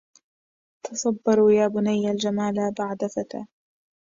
تصبروا يا بني الجمال بعد فتى